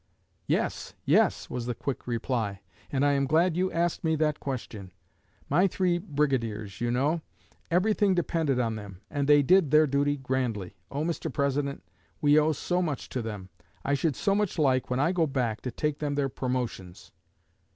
'Yes! yes!' was the quick reply, 'and I am glad you asked me that question. My three brigadiers, you know; everything depended on them, and they did their duty grandly! Oh, Mr. President, we owe so much to them! I should so much like, when I go back, to take them their promotions.'